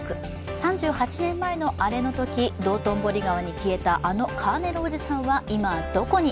３８年前のアレのとき道頓堀川に消えたあのカーネルおじさんは今どこに？